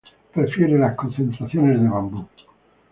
Prefiere las concentraciones de bambú.